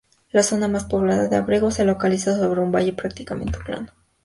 La zona más poblada de Ábrego se localiza sobre un valle prácticamente plano.